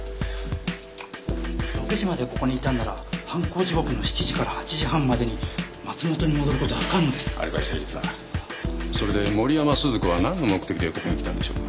６時までここにいたんなら犯行時刻の７時から８時半までに松本に戻ることは不可能ですアリバイ成立だそれで森山鈴子は何の目的でここに来たんでしょうか？